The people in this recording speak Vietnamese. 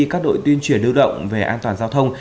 các đội tuyên truyền lưu động về an toàn giao thông